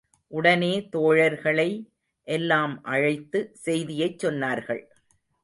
உடனே தோழர்களை எல்லாம் அழைத்து, செய்தியைச் சொன்னார்கள்.